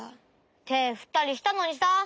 てふったりしたのにさ！